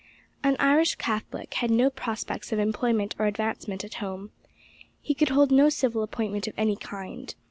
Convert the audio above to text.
An Irish Catholic had no prospects of employment or advancement at home. He could hold no civil appointment of any kind.